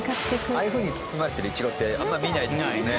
ああいうふうに包まれてるいちごってあんまり見ないですもんね。